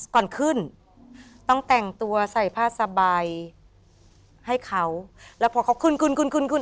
ก่อนขึ้นต้องแต่งตัวใส่ผ้าสบายให้เขาแล้วพอเขาคุนคุนคุนคุนคุน